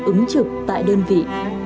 ứng trực tại đơn vị